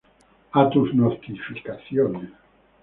A tus notificaciones.